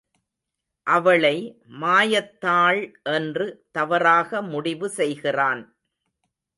அவளை மாயத்தாள் என்று தவறாக முடிவு செய்கிறான்.